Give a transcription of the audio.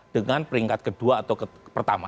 dengan peringkat kedua atau pertama